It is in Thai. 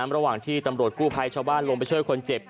ระหว่างที่ตำรวจกู้ภัยชาวบ้านลงไปช่วยคนเจ็บ